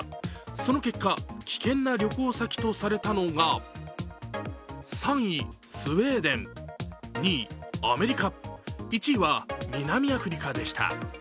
その結果、危険な旅行先とされたのが３位スウェーデン、２位アメリカ、１位は南アフリカでした。